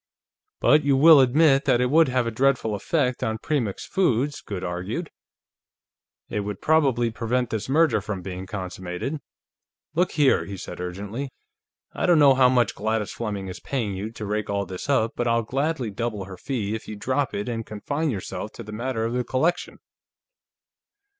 "But you will admit that it would have a dreadful effect on Premix Foods," Goode argued. "It would probably prevent this merger from being consummated. Look here," he said urgently. "I don't know how much Gladys Fleming is paying you to rake all this up, but I'll gladly double her fee if you drop it and confine yourself to the matter of the collection."